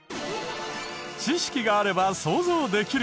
知識があれば想像できる！